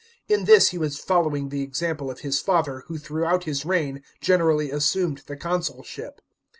In this he was following the example of his father, who throughout his reign generally assumed the consulship.